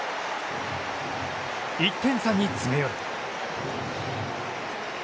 １点差に詰め寄る。